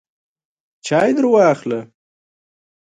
چای درواخله !